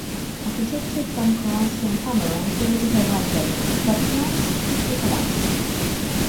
Architecture firm Koronski and Cameron created a rendering but plans quickly collapsed.